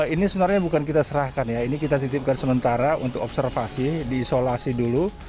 ini sebenarnya bukan kita serahkan ya ini kita titipkan sementara untuk observasi diisolasi dulu